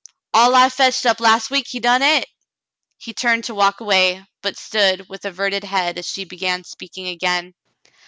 All I fetched up last week he done et." He turned to walk away, but stood with averted head as she began speaking again.